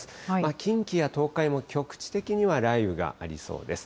近畿や東海も局地的には雷雨がありそうです。